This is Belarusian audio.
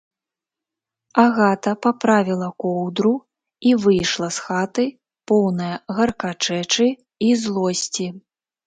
Агата паправіла коўдру і выйшла з хаты, поўная гаркачэчы і злосці.